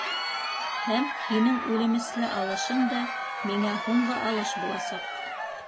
Һәм һинең үлемесле алышың да миңә һуңғы алыш буласаҡ.